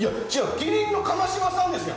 麒麟の川島さんですよ。